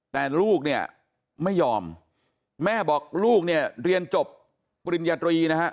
แต่ลูกเนี่ยไม่ยอมแม่บอกลูกเนี่ยเรียนจบปริญญาตรีนะฮะ